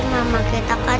mama itu siapa